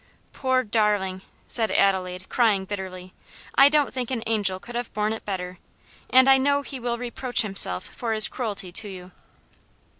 "Poor darling!" said Adelaide, crying bitterly. "I don't think an angel could have borne it better, and I know he will reproach himself for his cruelty to you."